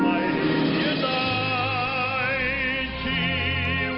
ไม่ได้ชีวภาษาสิ้นไป